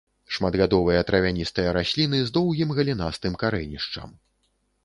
Шматгадовыя травяністыя расліны з доўгім галінастым карэнішчам.